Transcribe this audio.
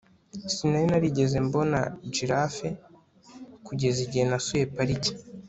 sinari narigeze mbona giraffe kugeza igihe nasuye pariki